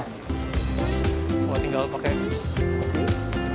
oh tinggal pakai